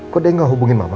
kok deh gak hubungin mama